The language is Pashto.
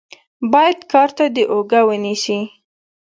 بايد کار ته دې اوږه ونيسې.